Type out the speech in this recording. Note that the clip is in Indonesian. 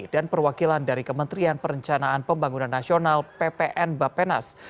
dan perwakilan dari kementerian perencanaan pembangunan nasional ppn bapenas